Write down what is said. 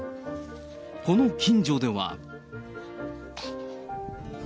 この近所では。